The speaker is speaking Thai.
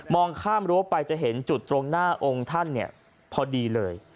ข้ามรั้วไปจะเห็นจุดตรงหน้าองค์ท่านเนี่ยพอดีเลย